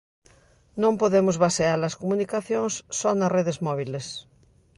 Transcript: Non podemos basear as comunicacións só nas redes móbiles.